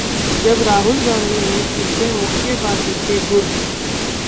जब राहुल गांधी ने सीखे मुक्केबाजी के गुर